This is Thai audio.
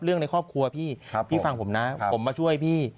ในครอบครัวพี่พี่ฟังผมนะผมมาช่วยพี่